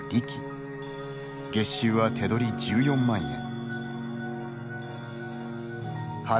月収は手取り１４万円。